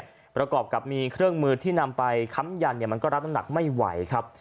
ประกอบกับมีเครื่องมือที่นำไปค้ำยันเนี่ยมันก็รับน้ำหนักไม่ไหวครับ